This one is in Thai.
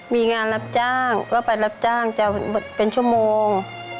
มีงานรับจ้างก็ไปรับจ้างจะเป็นชั่วโมง